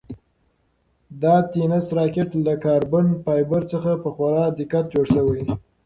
دا د تېنس راکټ له کاربن فایبر څخه په خورا دقت جوړ شوی.